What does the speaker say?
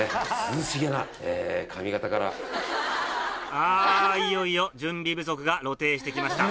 あいよいよ準備不足が露呈して来ました。